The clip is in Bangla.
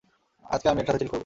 আজকে আমি এর সাথে চিল করব।